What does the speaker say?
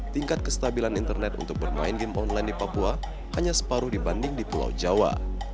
tingkat kestabilan internet untuk bermain game online di papua hanya separuh dibanding di pulau jawa